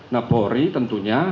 nah polri tentunya